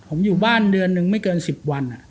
ผมอยู่บ้านเดือนหนึ่งไม่เกินสิบวันอ่ะ